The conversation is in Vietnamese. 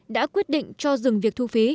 đã quyết định cho dừng việc thu phí